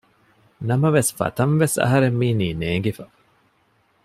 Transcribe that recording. ނަމވެސް ފަތަންވެސް އަހަރެން މީނީ ނޭނގިފަ